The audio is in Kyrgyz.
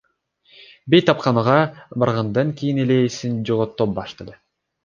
Бейтапканага баргандан кийин эле эсин жогото баштады.